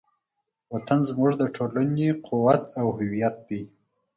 وطن زموږ د ټولنې قوت او هویت دی.